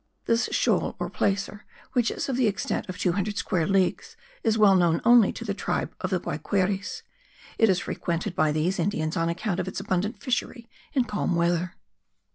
This shoal or placer, which is of the extent of 200 square leagues, is well known only to the tribe of the Guayqueries; it is frequented by these Indians on account of its abundant fishery in calm weather.